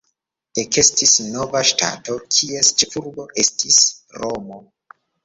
Ekestis nova ŝtato, kies ĉefurbo estis Romo.